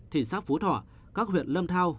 thị xác phú thọ các huyện lâm thao